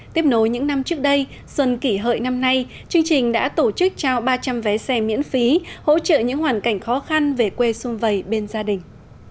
tiếp nối những năm trước đây xuân kỷ hợi năm nay chương trình đã tổ chức trao ba trăm linh vé xe miễn phí hỗ trợ những hoàn cảnh khó khăn về quê xung vầy bên gia đình